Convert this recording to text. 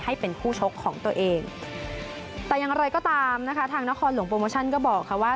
ให้เป็นคู่ชกของตัวเองแต่อย่างไรก็ตามนะคะทางนครหลวงโปรโมชั่นก็บอกค่ะว่า